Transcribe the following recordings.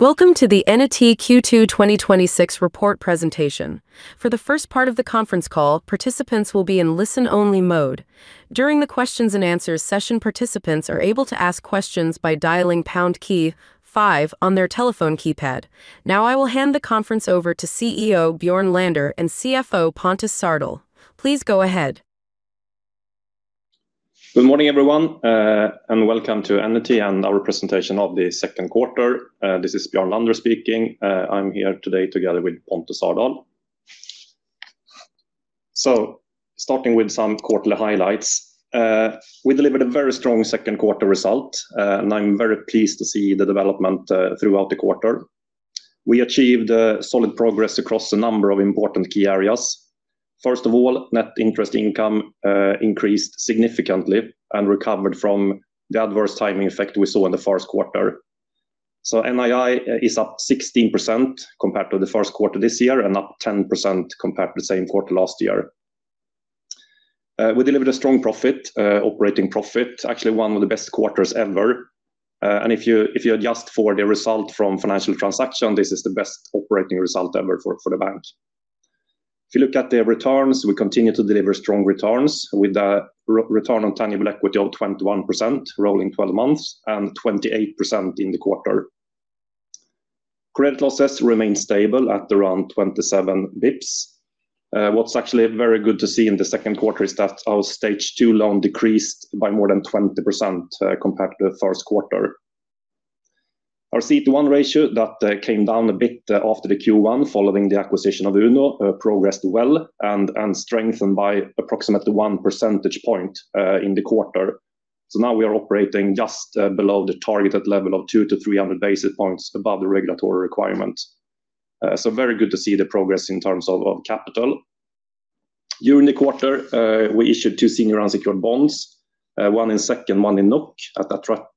Welcome to the Enity Q2 2026 report presentation. For the first part of the conference call, participants will be in listen-only mode. During the questions and answers session, participants are able to ask questions by dialing pound key five on their telephone keypad. Now I will hand the conference over to CEO Björn Lander and CFO Pontus Sardal. Please go ahead. Good morning, everyone, and welcome to Enity and our presentation of the second quarter. This is Björn Lander speaking. I am here today together with Pontus Sardal. Starting with some quarterly highlights. We delivered a very strong second quarter result, and I am very pleased to see the development throughout the quarter. We achieved solid progress across a number of important key areas. First of all, net interest income increased significantly and recovered from the adverse timing effect we saw in the first quarter. NII is up 16% compared to the first quarter this year and up 10% compared to the same quarter last year. We delivered a strong profit, operating profit, actually one of the best quarters ever. If you adjust for the result from financial transaction, this is the best operating result ever for the bank. If you look at the returns, we continue to deliver strong returns with a return on tangible equity of 21% rolling 12 months and 28% in the quarter. Credit losses remain stable at around 27 basis points. What is actually very good to see in the second quarter is that our Stage 2 loan decreased by more than 20% compared to the first quarter. Our CET1 ratio that came down a bit after the Q1 following the acquisition of Uno progressed well and strengthened by approximately one percentage point in the quarter. Now we are operating just below the targeted level of 200-300 basis points above the regulatory requirement. Very good to see the progress in terms of capital. During the quarter, we issued two senior unsecured bonds, one in SEK and one in NOK at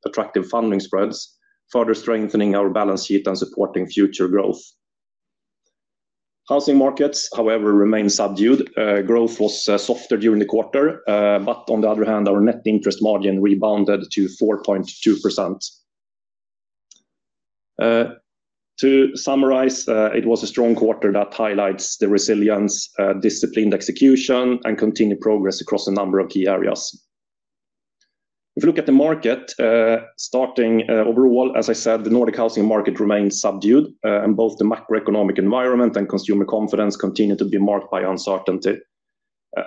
attractive funding spreads, further strengthening our balance sheet and supporting future growth. Housing markets, however, remain subdued. Growth was softer during the quarter, but on the other hand, our net interest margin rebounded to 4.2%. To summarize, it was a strong quarter that highlights the resilience, disciplined execution, and continued progress across a number of key areas. If you look at the market, starting overall, as I said, the Nordic housing market remains subdued and both the macroeconomic environment and consumer confidence continue to be marked by uncertainty.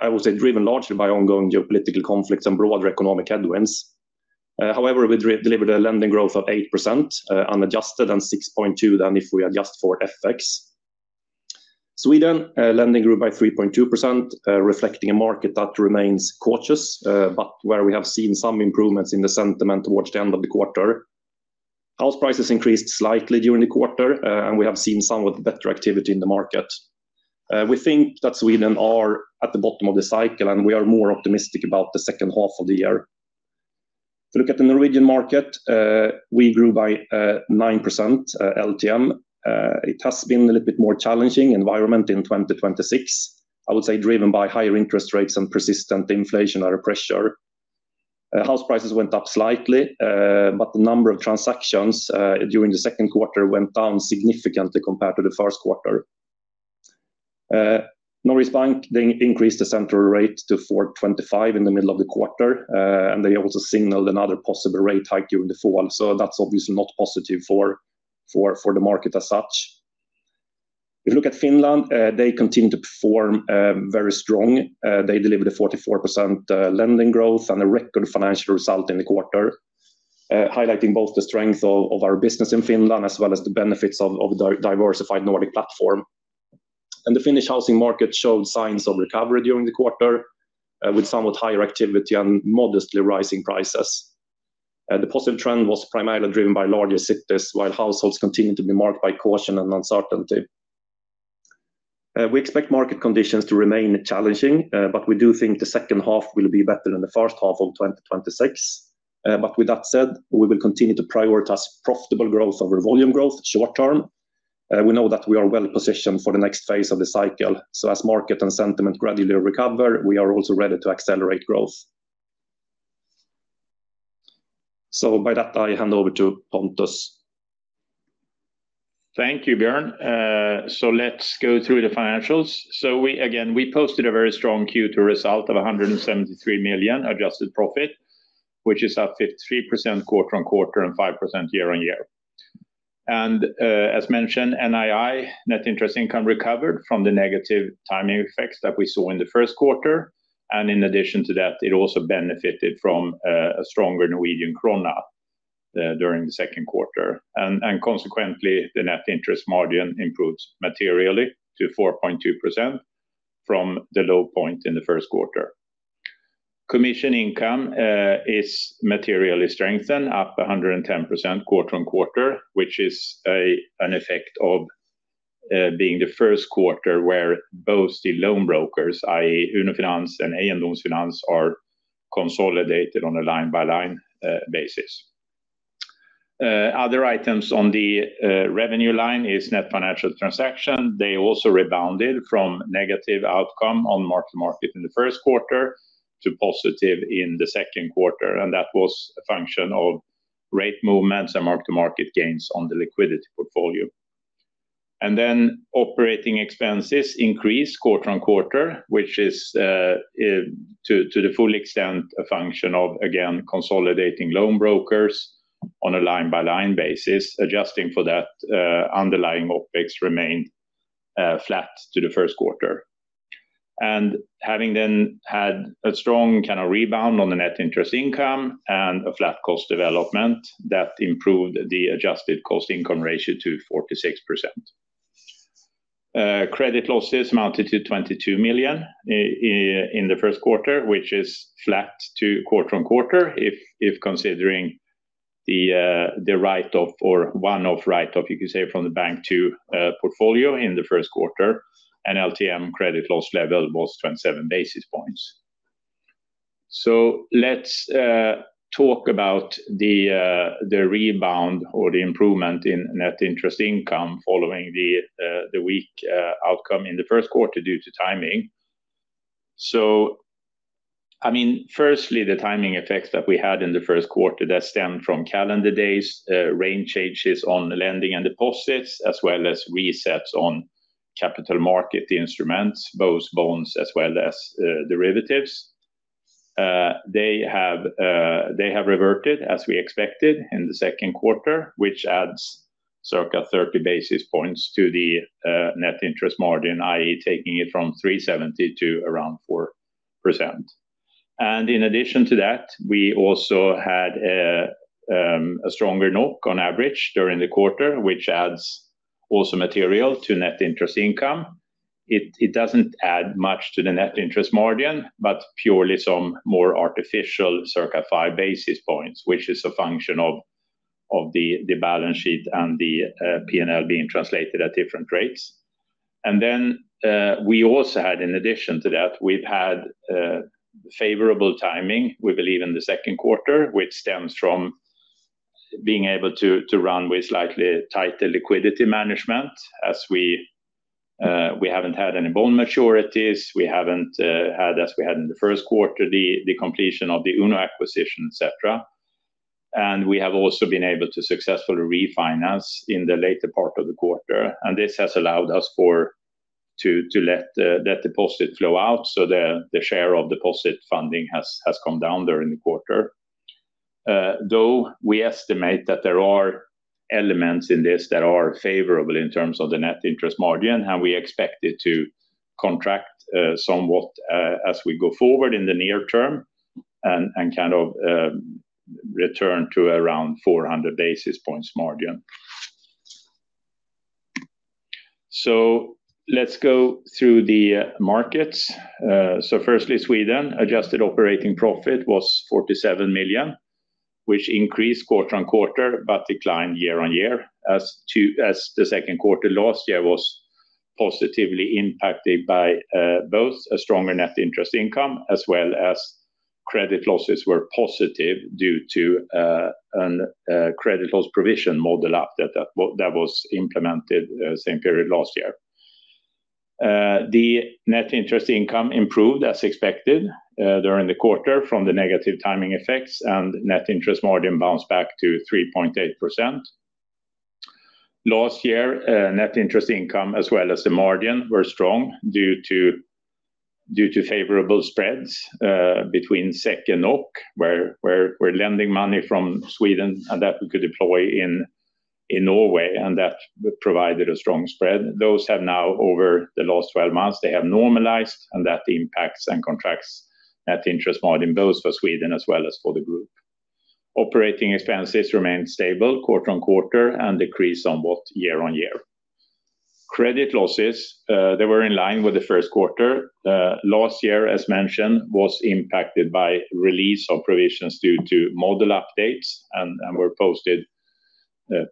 I would say driven largely by ongoing geopolitical conflicts and broader economic headwinds. However, we delivered a lending growth of 8% unadjusted and 6.2% if we adjust for FX. Sweden lending grew by 3.2%, reflecting a market that remains cautious, but where we have seen some improvements in the sentiment towards the end of the quarter. House prices increased slightly during the quarter, and we have seen somewhat better activity in the market. We think that Sweden are at the bottom of the cycle. We are more optimistic about the second half of the year. If you look at the Norwegian market, we grew by 9% LTM. It has been a little bit more challenging environment in 2026. I would say driven by higher interest rates and persistent inflationary pressure. House prices went up slightly, but the number of transactions during the second quarter went down significantly compared to the first quarter. Norges Bank, they increased the central rate to 4.25% in the middle of the quarter. They also signaled another possible rate hike during the fall. That's obviously not positive for the market as such. If you look at Finland, they continue to perform very strong. They delivered a 44% lending growth and a record financial result in the quarter, highlighting both the strength of our business in Finland as well as the benefits of the diversified Nordic platform. The Finnish housing market showed signs of recovery during the quarter, with somewhat higher activity and modestly rising prices. The positive trend was primarily driven by larger cities, while households continued to be marked by caution and uncertainty. We expect market conditions to remain challenging. We do think the second half will be better than the first half of 2026. With that said, we will continue to prioritize profitable growth over volume growth short term. We know that we are well-positioned for the next phase of the cycle. As market and sentiment gradually recover, we are also ready to accelerate growth. With that, I hand over to Pontus. Thank you, Björn. Let's go through the financials. Again, we posted a very strong Q2 result of 173 million adjusted profit, which is up 53% quarter-on-quarter and 5% year-on-year. As mentioned, NII, net interest income, recovered from the negative timing effects that we saw in the first quarter. In addition to that, it also benefited from a stronger Norwegian krone during the second quarter. Consequently, the net interest margin improved materially to 4.2% from the low point in the first quarter. Commission income is materially strengthened, up 110% quarter-on-quarter, which is an effect of being the first quarter where both the loan brokers, i.e. Uno Finans and A&Lånsfinans, are consolidated on a line-by-line basis. Other items on the revenue line is net financial transaction. They also rebounded from negative outcome on mark-to-market in the first quarter to positive in the second quarter. That was a function of rate movements and mark-to-market gains on the liquidity portfolio. Operating expenses increase quarter-on-quarter, which is to the full extent a function of, again, consolidating loan brokers on a line-by-line basis. Adjusting for that underlying OpEx remained flat to the first quarter. Having then had a strong kind of rebound on the net interest income and a flat cost development, that improved the adjusted cost-income ratio to 46%. Credit losses amounted to 22 million in the first quarter, which is flat to quarter-on-quarter if considering the write-off or one-off write-off, you could say, from the Bank2 portfolio in the first quarter. LTM credit loss level was 27 basis points. Let's talk about the rebound or the improvement in net interest income following the weak outcome in the first quarter due to timing. Firstly, the timing effects that we had in the first quarter that stemmed from calendar days, rain changes on the lending and deposits, as well as resets on capital market instruments, both bonds as well as derivatives. They have reverted as we expected in the second quarter, which adds circa 30 basis points to the net interest margin, i.e. taking it from 370 to around 4%. In addition to that, we also had a stronger NOK on average during the quarter, which adds also material to net interest income. It doesn't add much to the net interest margin, but purely some more artificial circa five basis points, which is a function of the balance sheet and the P&L being translated at different rates. We also had, in addition to that, we've had favorable timing, we believe in the second quarter, which stems from being able to run with slightly tighter liquidity management as we haven't had any bond maturities. We haven't had as we had in the first quarter the completion of the Uno acquisition, etc. We have also been able to successfully refinance in the later part of the quarter. This has allowed us to let deposit flow out so the share of deposit funding has come down during the quarter. Though we estimate that there are elements in this that are favorable in terms of the net interest margin, and we expect it to contract somewhat as we go forward in the near term and kind of return to around 400 basis points margin. Let's go through the markets. Firstly, Sweden, adjusted operating profit was 47 million, which increased quarter-on-quarter but declined year-on-year as the second quarter last year was positively impacted by both a stronger net interest income as well as credit losses were positive due to a credit loss provision model up that was implemented same period last year. The net interest income improved as expected during the quarter from the negative timing effects and net interest margin bounced back to 3.8%. Last year, net interest income as well as the margin were strong due to favorable spreads between SEK and NOK, where we're lending money from Sweden and that we could deploy in Norway and that provided a strong spread. Those have now over the last 12 months, they have normalized and that impacts and contracts net interest margin both for Sweden as well as for the group. Operating expenses remained stable quarter-on-quarter and decreased somewhat year-on-year. Credit losses, they were in line with the first quarter. Last year, as mentioned, was impacted by release of provisions due to model updates and were posted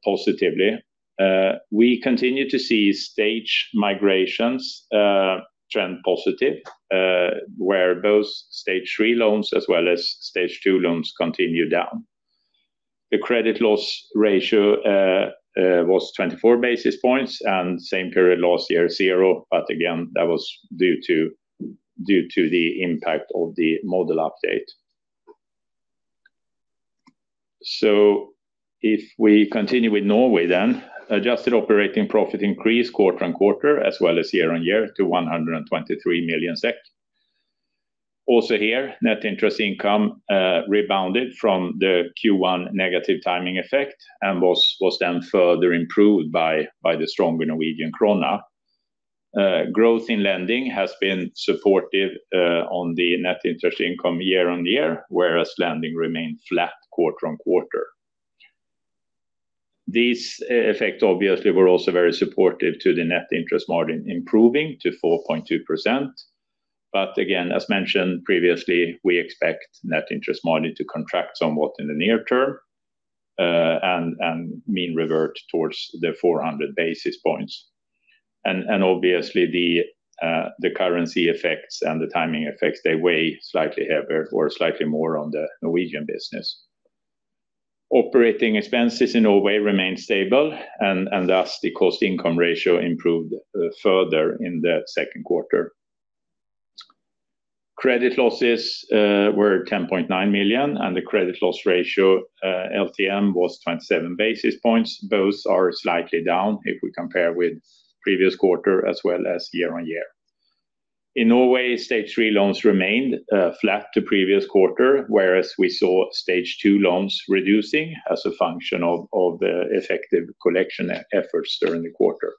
positively. We continue to see stage migrations trend positive, where both Stage 3 loans as well as Stage 2 loans continue down. The credit loss ratio was 24 basis points and same period last year zero, but again, that was due to the impact of the model update. If we continue with Norway then, adjusted operating profit increased quarter-on-quarter as well as year-on-year to 123 million SEK. Also here, net interest income rebounded from the Q1 negative timing effect and was then further improved by the stronger Norwegian krone. Growth in lending has been supportive on the net interest income year-on-year, whereas lending remained flat quarter-on-quarter. These effects obviously were also very supportive to the net interest margin improving to 4.2%. Again, as mentioned previously, we expect net interest margin to contract somewhat in the near term and mean revert towards the 400 basis points. Obviously the currency effects and the timing effects, they weigh slightly heavier or slightly more on the Norwegian business. Operating expenses in Norway remained stable and thus the cost-income ratio improved further in the second quarter. Credit losses were 10.9 million, and the credit loss ratio, LTM, was 27 basis points. Both are slightly down if we compare with previous quarter as well as year-on-year. In Norway, Stage 3 loans remained flat to previous quarter, whereas we saw Stage 2 loans reducing as a function of the effective collection efforts during the quarter.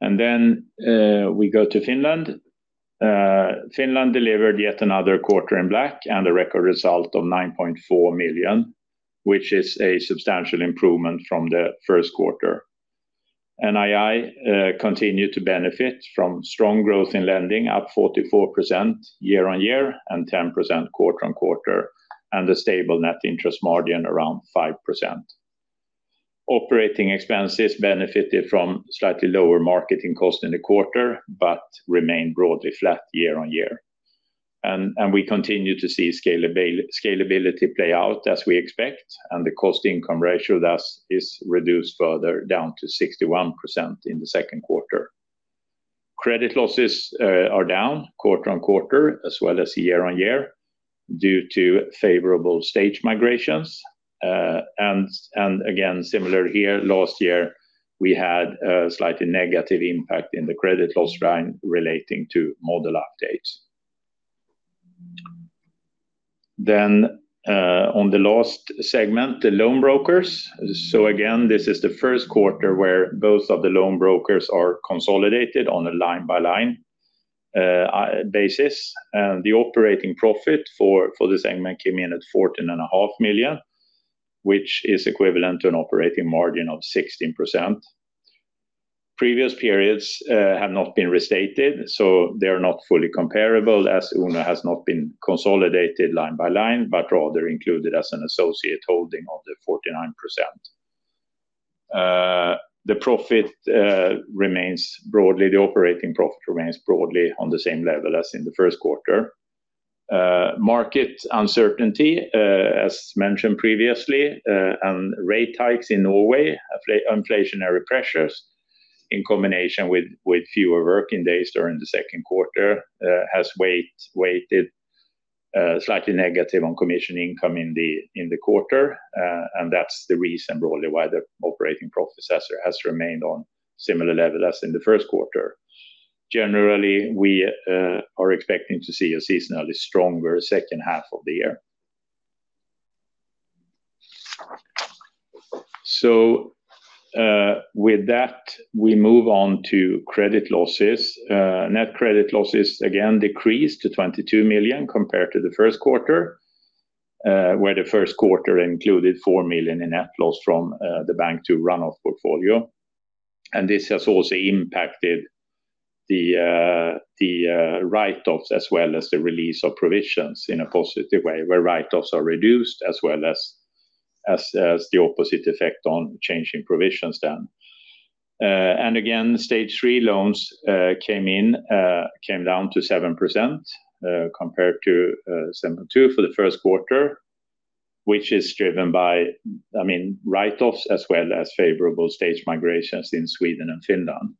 Then we go to Finland. Finland delivered yet another quarter in black and a record result of 9.4 million, which is a substantial improvement from the first quarter. NII continued to benefit from strong growth in lending, up 44% year-on-year and 10% quarter-on-quarter, and a stable net interest margin around 5%. Operating expenses benefited from slightly lower marketing cost in the quarter, but remained broadly flat year-on-year. We continue to see scalability play out as we expect, and the cost income ratio thus is reduced further down to 61% in the second quarter. Credit losses are down quarter-on-quarter as well as year-on-year due to favorable stage migrations. Again, similar here, last year, we had a slightly negative impact in the credit loss line relating to model updates. Then on the last segment, the loan brokers. Again, this is the first quarter where both of the loan brokers are consolidated on a line by line basis. The operating profit for the segment came in at 14.5 million, which is equivalent to an operating margin of 16%. Previous periods have not been restated, so they're not fully comparable as Uno has not been consolidated line by line, but rather included as an associate holding of the 49%. The operating profit remains broadly on the same level as in the first quarter. Market uncertainty, as mentioned previously, and rate hikes in Norway, inflationary pressures in combination with fewer working days during the second quarter has weighted slightly negative on commission income in the quarter. That's the reason broadly why the operating profit has remained on similar level as in the first quarter. Generally, we are expecting to see a seasonally stronger second half of the year. With that, we move on to credit losses. Net credit losses again decreased to 22 million compared to the first quarter, where the first quarter included 4 million in net loss from the Bank2 run-off portfolio. This has also impacted the write-offs as well as the release of provisions in a positive way, where write-offs are reduced as well as the opposite effect on changing provisions then. Again, Stage 3 loans came down to 7%, compared to 7.2% for the first quarter, which is driven by write-offs as well as favorable stage migrations in Sweden and Finland.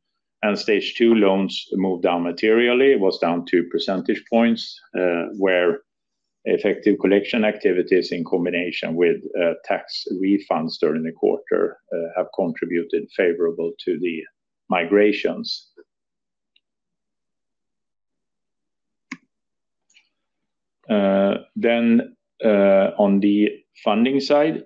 Stage 2 loans moved down materially. It was down 2 percentage points, where effective collection activities in combination with tax refunds during the quarter have contributed favorable to the migrations. On the funding side,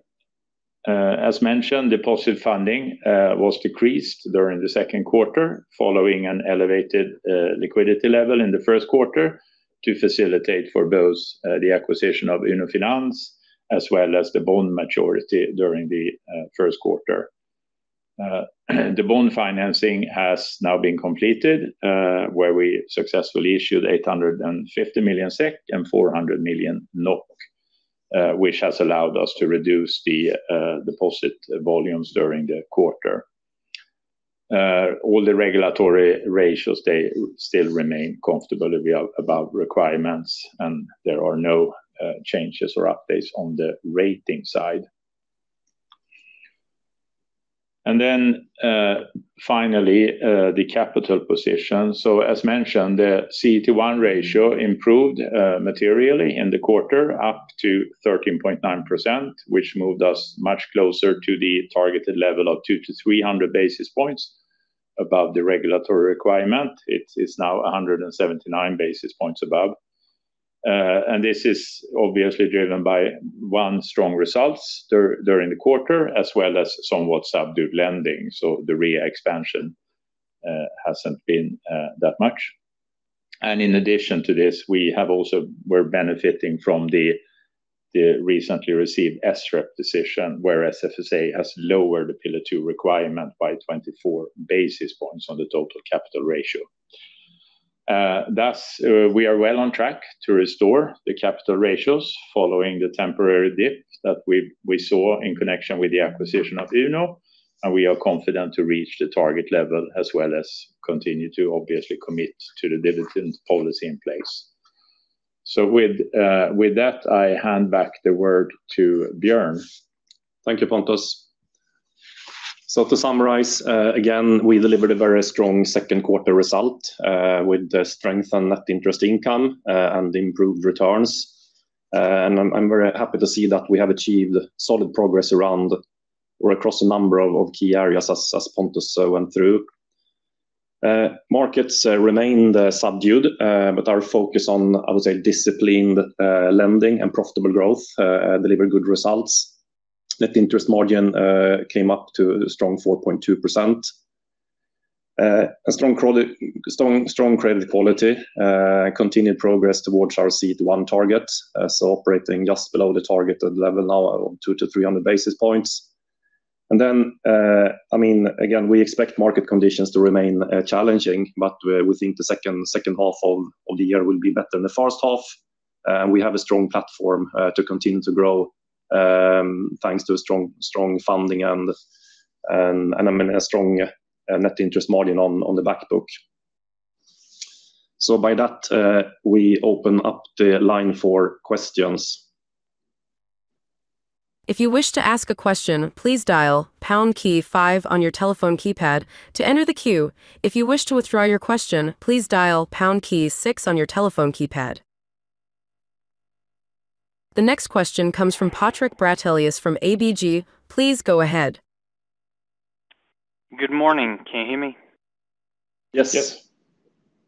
as mentioned, deposit funding was decreased during the second quarter following an elevated liquidity level in the first quarter to facilitate for both the acquisition of Uno Finans as well as the bond maturity during the first quarter. The bond financing has now been completed, where we successfully issued 850 million SEK and 400 million NOK, which has allowed us to reduce the deposit volumes during the quarter. All the regulatory ratios, they still remain comfortably above requirements, and there are no changes or updates on the rating side. Finally, the capital position. As mentioned, the CET1 ratio improved materially in the quarter up to 13.9%, which moved us much closer to the targeted level of 200 basis points-300 basis points above the regulatory requirement. It is now 179 basis points above. This is obviously driven by one, strong results during the quarter, as well as somewhat subdued lending. The re-expansion hasn't been that much. In addition to this, we're benefiting from the recently received SREP decision, where SFSA has lowered the Pillar 2 requirement by 24 basis points on the total capital ratio. Thus, we are well on track to restore the capital ratios following the temporary dip that we saw in connection with the acquisition of Uno, and we are confident to reach the target level as well as continue to obviously commit to the dividend policy in place. With that, I hand back the word to Björn. Thank you, Pontus. To summarize, again, we delivered a very strong second quarter result with the strength in net interest income and improved returns. I'm very happy to see that we have achieved solid progress around or across a number of key areas as Pontus went through. Markets remained subdued, our focus on, I would say, disciplined lending and profitable growth delivered good results. Net interest margin came up to a strong 4.2%. A strong credit quality, continued progress towards our CET1 target. Operating just below the targeted level now of 200 basis points-300 basis points. Again, we expect market conditions to remain challenging, but we think the second half of the year will be better than the first half. We have a strong platform to continue to grow thanks to strong funding and a strong net interest margin on the back book. By that, we open up the line for questions. If you wish to ask a question, please dial pound key five on your telephone keypad to enter the queue. If you wish to withdraw your question, please dial pound key six on your telephone keypad. The next question comes from Patrik Brattelius from ABG. Please go ahead. Good morning. Can you hear me? Yes. Yes.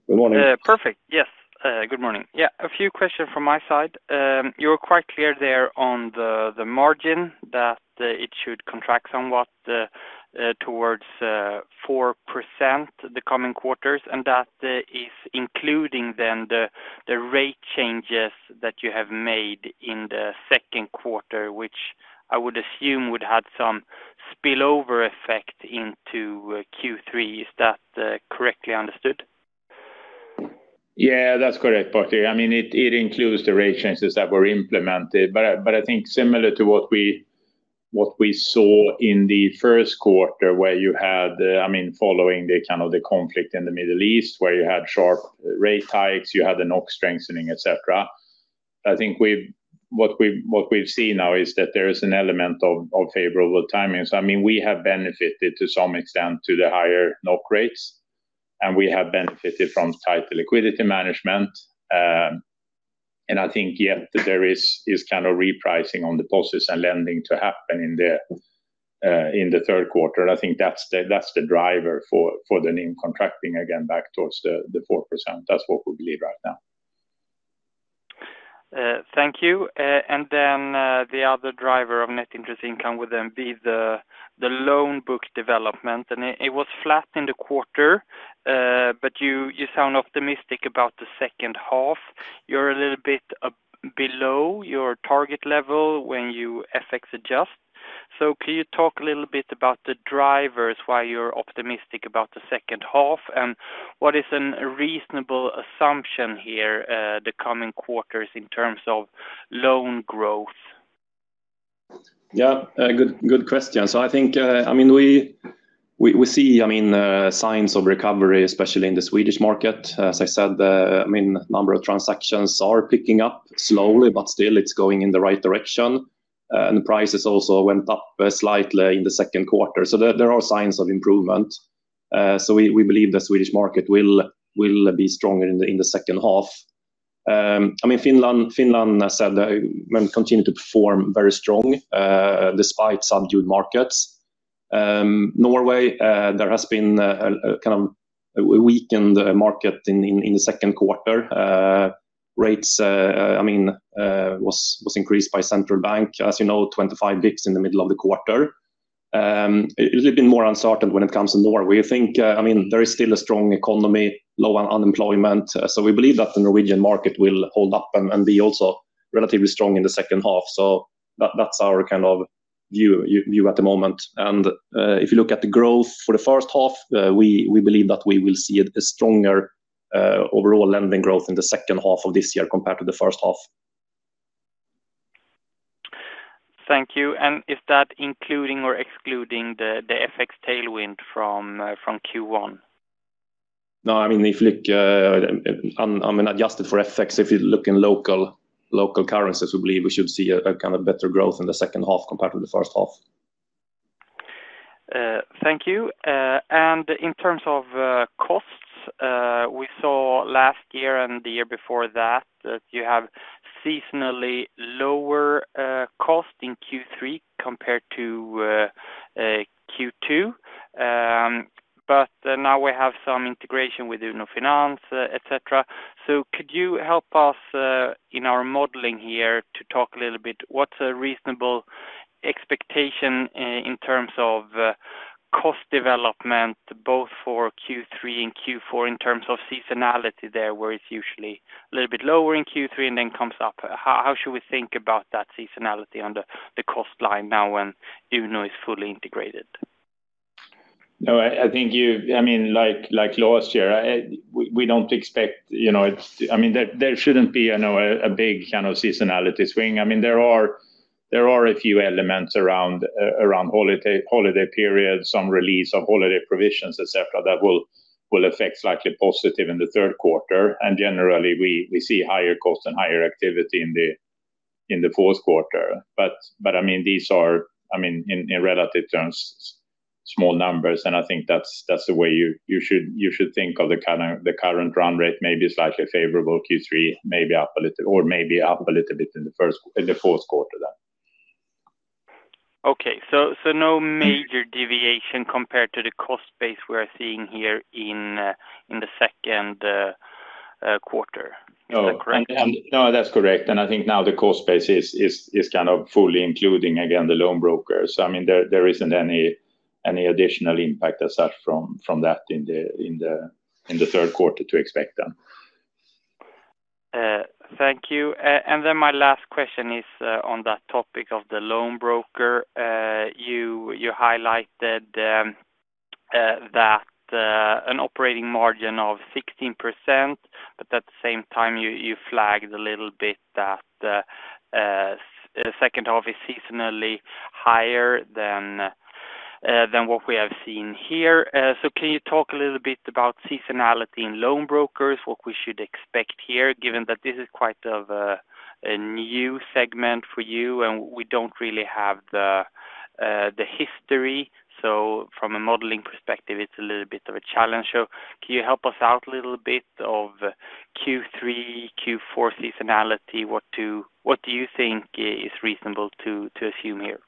Good morning. Perfect. Yes. Good morning. Yeah, a few questions from my side. You were quite clear there on the margin that it should contract somewhat towards 4% the coming quarters, and that is including then the rate changes that you have made in the second quarter, which I would assume would have some spillover effect into Q3. Is that correctly understood? Yeah, that's correct, Patrik. It includes the rate changes that were implemented, but I think similar to what we saw in the first quarter following the conflict in the Middle East where you had sharp rate hikes, you had the NOK strengthening, et cetera. I think what we've seen now is that there is an element of favorable timing. We have benefited to some extent to the higher NOK rates, and we have benefited from tighter liquidity management. I think, yeah, there is repricing on deposits and lending to happen in the third quarter. I think that's the driver for the NIM contracting again back towards the 4%. That's what we believe right now. Thank you. Then the other driver of net interest income would then be the loan book development. It was flat in the quarter, but you sound optimistic about the second half. You're a little bit below your target level when you FX adjust. Can you talk a little bit about the drivers why you're optimistic about the second half? What is an reasonable assumption here the coming quarters in terms of loan growth? Yeah, good question. We see signs of recovery, especially in the Swedish market. As I said, number of transactions are picking up slowly, but still it's going in the right direction. Prices also went up slightly in the second quarter. There are signs of improvement. We believe the Swedish market will be stronger in the second half. Finland, as I said, continued to perform very strongly despite subdued markets. Norway, there has been a weakened market in the second quarter. Rates was increased by central bank. As you know, 25 basis points in the middle of the quarter. A little bit more uncertain when it comes to Norway. There is still a strong economy, low unemployment. We believe that the Norwegian market will hold up and be also relatively strong in the second half. That's our view at the moment. If you look at the growth for the first half, we believe that we will see a stronger overall lending growth in the second half of this year compared to the first half. Thank you. Is that including or excluding the FX tailwind from Q1? No, adjusted for FX, if you look in local currencies, we believe we should see a better growth in the second half compared to the first half. Thank you. In terms of costs, we saw last year and the year before that you have seasonally lower cost in Q3 compared to Q2. Now we have some integration with Uno Finans, etc. Could you help us in our modeling here to talk a little bit, what's a reasonable expectation in terms of cost development both for Q3 and Q4 in terms of seasonality there, where it's usually a little bit lower in Q3 and then comes up? How should we think about that seasonality on the cost line now when Uno is fully integrated? Like last year, we don't expect there shouldn't be a big seasonality swing. There are a few elements around holiday periods, some release of holiday provisions, et cetera, that will affect slightly positive in the third quarter. Generally, we see higher cost and higher activity in the fourth quarter. These are, in relative terms, small numbers, and I think that's the way you should think of the current run rate, maybe slightly favorable Q3, or maybe up a little bit in the fourth quarter then. Okay. No major deviation compared to the cost base we are seeing here in the second quarter. Is that correct? No, that's correct. I think now the cost base is fully including, again, the loan brokers. There isn't any additional impact as such from that in the third quarter to expect then. Thank you. My last question is on that topic of the loan broker. You highlighted that an operating margin of 16%, at the same time, you flagged a little bit that the second half is seasonally higher than what we have seen here. Can you talk a little bit about seasonality in loan brokers, what we should expect here, given that this is quite a new segment for you and we don't really have the history? From a modeling perspective, it's a little bit of a challenge. Can you help us out a little bit of Q3, Q4 seasonality? What do you think is reasonable to assume here?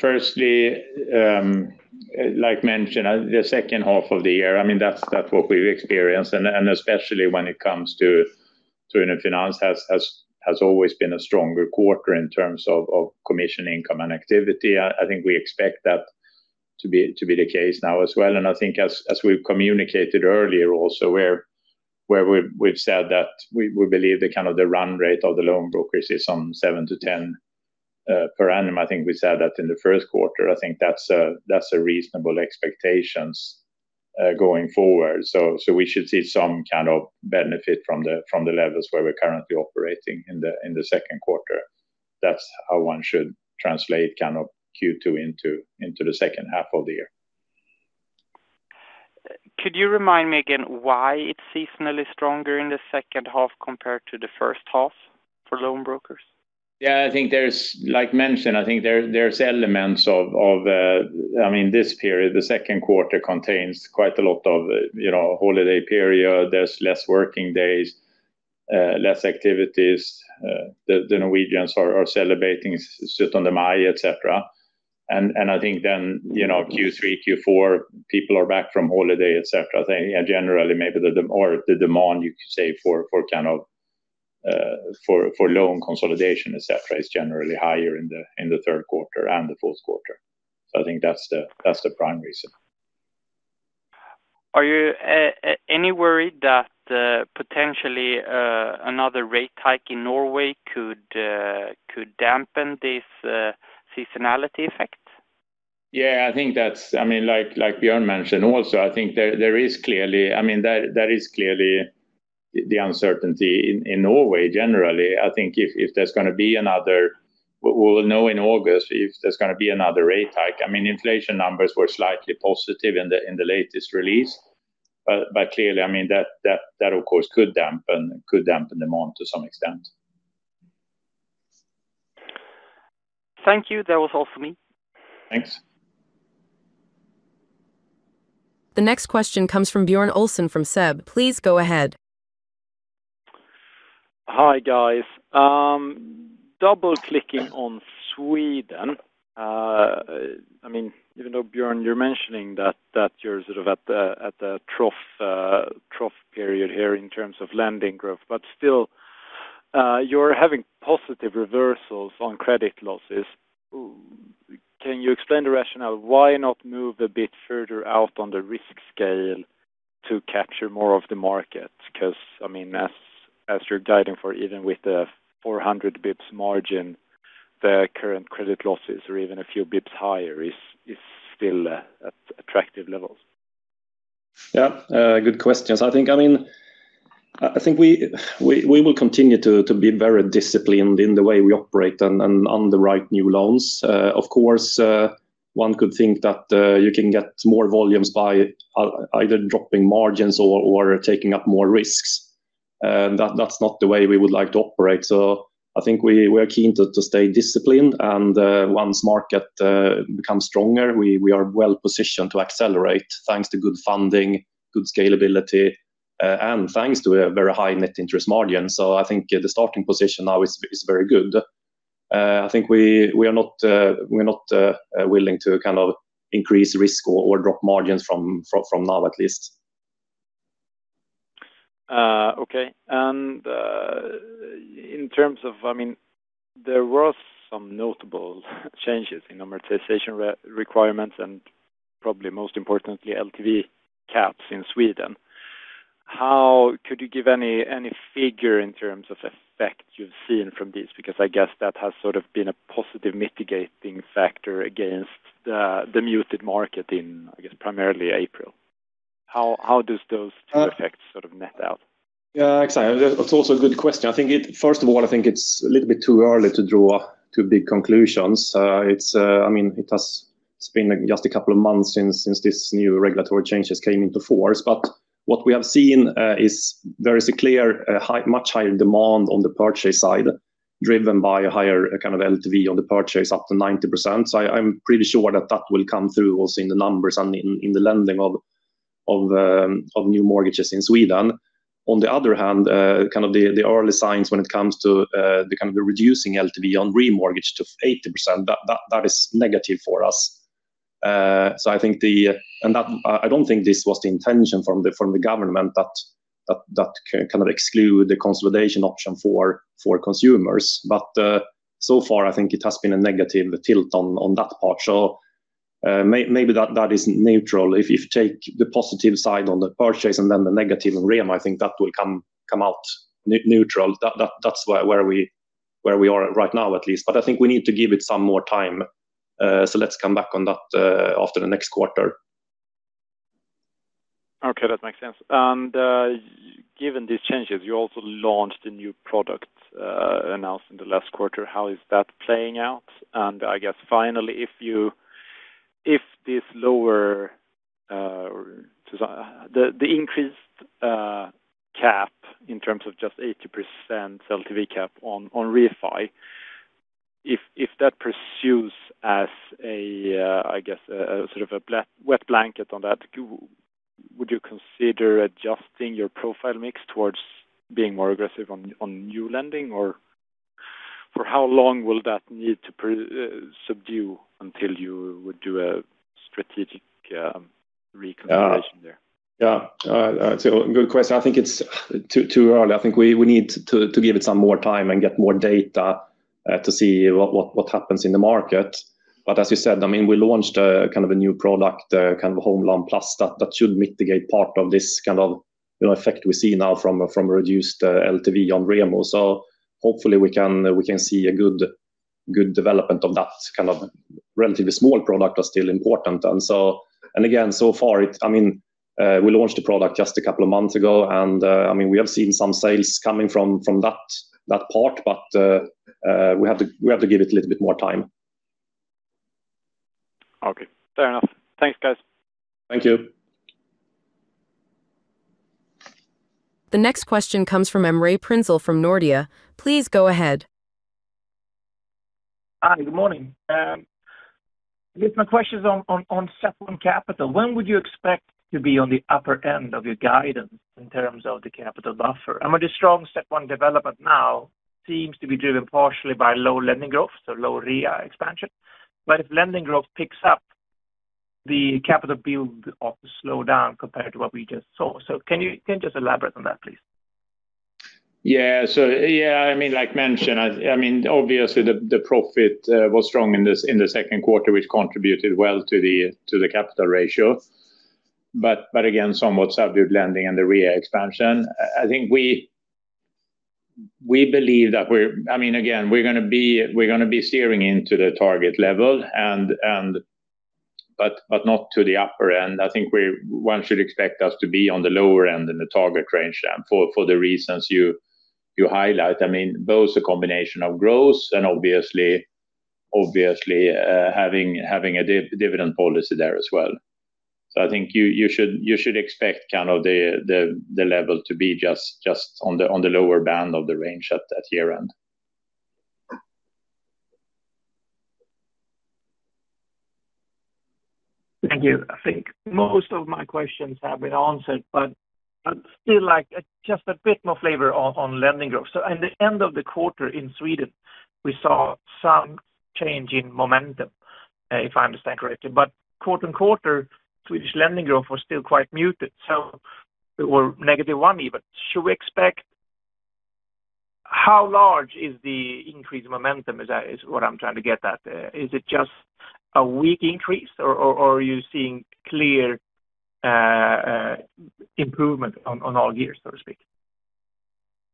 Firstly, like mentioned, the second half of the year, that's what we've experienced and especially when it comes to Uno Finans has always been a stronger quarter in terms of commission income and activity. I think we expect that to be the case now as well, and I think as we've communicated earlier also where we've said that we believe the run rate of the loan brokers is on seven to 10 per annum. I think we said that in the first quarter. I think that's a reasonable expectations going forward. We should see some kind of benefit from the levels where we're currently operating in the second quarter. That's how one should translate Q2 into the second half of the year. Could you remind me again why it's seasonally stronger in the second half compared to the first half for loan brokers? Like mentioned, I think there's elements of this period. The second quarter contains quite a lot of holiday period. There's less working days, less activities. The Norwegians are celebrating Syttende Mai, etc. I think, Q3, Q4, people are back from holiday, etc. I think generally maybe the demand you could say for loan consolidation, etc., is generally higher in the third quarter and the fourth quarter. I think that's the prime reason. Are you any worried that potentially another rate hike in Norway could dampen this seasonality effect? Yeah, like Björn mentioned also, I think there is clearly the uncertainty in Norway generally. I think if there's going to be another, we'll know in August if there's going to be another rate hike. Inflation numbers were slightly positive in the latest release. Clearly, that, of course, could dampen demand to some extent. Thank you. That was all for me. Thanks. The next question comes from Björn Olsson from SEB. Please go ahead. Hi, guys. Double clicking on Sweden. Even though, Björn, you're mentioning that you're sort of at the trough period here in terms of lending growth, still you're having positive reversals on credit losses. Can you explain the rationale? Why not move a bit further out on the risk scale to capture more of the market? As you're guiding for even with the 400 basis points margin, the current credit losses or even a few basis points higher is still at attractive levels. Yeah. Good questions. I think we will continue to be very disciplined in the way we operate and underwrite new loans. Of course, one could think that you can get more volumes by either dropping margins or taking up more risks. That's not the way we would like to operate. I think we are keen to stay disciplined and once market becomes stronger, we are well positioned to accelerate thanks to good funding, good scalability, and thanks to a very high net interest margin. I think the starting position now is very good. I think we're not willing to increase risk or drop margins from now at least. Okay. In terms of, there was some notable changes in amortization requirements and probably most importantly, LTV caps in Sweden. Could you give any figure in terms of effect you've seen from this? I guess that has sort of been a positive mitigating factor against the muted market in, I guess, primarily April. How does those two effects net out? Yeah, exactly. That's also a good question. First of all, I think it's a little bit too early to draw too big conclusions. It's been just a couple of months since this new regulatory changes came into force. What we have seen is there is a clear much higher demand on the purchase side, driven by a higher LTV on the purchase up to 90%. I'm pretty sure that will come through also in the numbers and in the lending of new mortgages in Sweden. On the other hand, the early signs when it comes to the reducing LTV on remortgage to 80%, that is negative for us. I don't think this was the intention from the government that can exclude the consolidation option for consumers. So far, I think it has been a negative tilt on that part. Maybe that is neutral. If you take the positive side on the purchase and then the negative in rem, I think that will come out neutral. That's where we are right now, at least. I think we need to give it some more time. Let's come back on that after the next quarter. Okay, that makes sense. Given these changes, you also launched a new product announced in the last quarter. How is that playing out? I guess finally, if this increased cap in terms of just 80% LTV cap on refi, if that pursues as a sort of a wet blanket on that, would you consider adjusting your profile mix towards being more aggressive on new lending? For how long will that need to subdue until you would do a strategic reconsideration there? Yeah. It's a good question. I think it's too early. I think we need to give it some more time and get more data to see what happens in the market. As you said, we launched a new product, Home Loan Plus, that should mitigate part of this kind of effect we see now from a reduced LTV on remortgaging. Hopefully we can see a good development of that kind of relatively small product but still important. Again, so far, we launched the product just a couple of months ago, and we have seen some sales coming from that part, but we have to give it a little bit more time. Okay, fair enough. Thanks, guys. Thank you. The next question comes from Emre Prinzell from Nordea. Please go ahead. Hi, good morning. I guess my question is on CET1 capital. When would you expect to be on the upper end of your guidance in terms of the capital buffer? With the strong CET1 development now seems to be driven partially by low lending growth, so low RWA expansion. If lending growth picks up, the capital build ought to slow down compared to what we just saw. Can you just elaborate on that, please? Yeah. Like mentioned, obviously the profit was strong in the second quarter, which contributed well to the capital ratio. Again, somewhat subdued lending and the RWA expansion. I think we believe that we're going to be steering into the target level, but not to the upper end. I think one should expect us to be on the lower end in the target range then for the reasons you highlight. Both a combination of growth and obviously having a dividend policy there as well. I think you should expect the level to be just on the lower band of the range at year-end. Thank you. I think most of my questions have been answered. I'd still like just a bit more flavor on lending growth. At the end of the quarter in Sweden, we saw some change in momentum, if I understand correctly. Quarter-on-quarter, Swedish lending growth was still quite muted. We're -1% even. How large is the increased momentum is what I'm trying to get at. Is it just a weak increase, or are you seeing clear improvement on all gears, so to speak?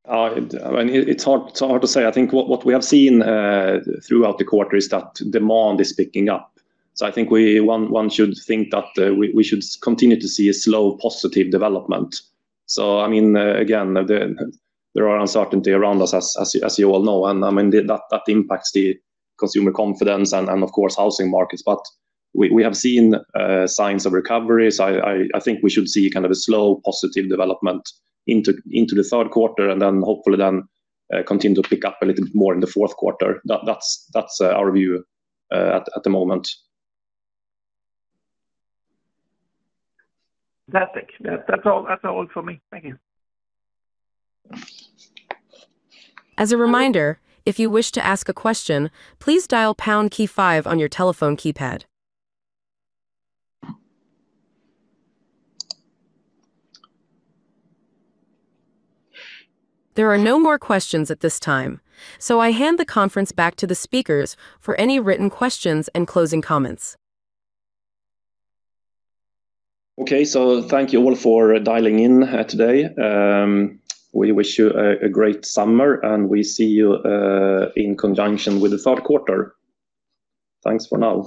It's hard to say. I think what we have seen throughout the quarter is that demand is picking up. I think one should think that we should continue to see a slow positive development. Again, there are uncertainty around us, as you well know, and that impacts the consumer confidence and of course, housing markets. We have seen signs of recovery. I think we should see a slow positive development into the third quarter and then hopefully then continue to pick up a little bit more in the fourth quarter. That's our view at the moment. Fantastic. That's all for me. Thank you. As a reminder, if you wish to ask a question, please dial pound key five on your telephone keypad. There are no more questions at this time. I hand the conference back to the speakers for any written questions and closing comments. Okay. Thank you all for dialing in today. We wish you a great summer, and we see you in conjunction with the third quarter. Thanks for now.